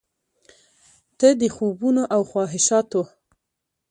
ته د خوبونو او خواهشاتو،